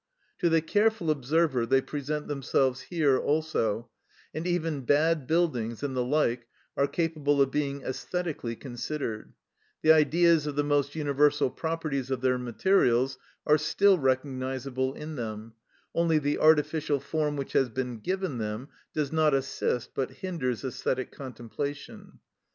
To the careful observer they present themselves here also, and even bad buildings and the like are capable of being æsthetically considered; the Ideas of the most universal properties of their materials are still recognisable in them, only the artificial form which has been given them does not assist but hinders æsthetic contemplation.